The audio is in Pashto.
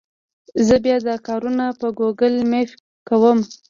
زه بیا دا کارونه په ګوګل مېپ کوم.